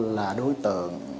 là đối tượng